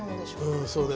うんそうね